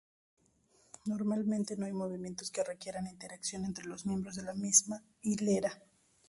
Normalmente no hay movimientos que requieran interacción entre los miembros de la misma hilera.